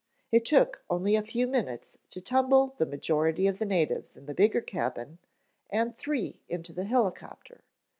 It took only a few minutes to tumble the majority of the natives in the bigger cabin, and three into the helicopter.